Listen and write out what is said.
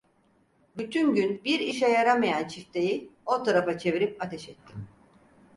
Bütün gün bir işe yaramayan çifteyi o tarafa çevirip ateş ettim.